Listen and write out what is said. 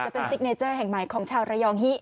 จะเป็นติ๊กเนเจอร์แห่งหมายของชาวรายองฮิ